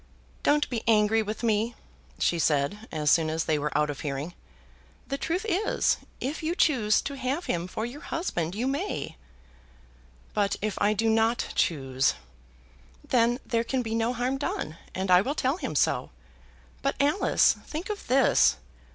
Don't be angry with me," she said, as soon as they were out of hearing. "The truth is this; if you choose to have him for your husband, you may." "But if I do not choose." "Then there can be no harm done, and I will tell him so. But, Alice, think of this.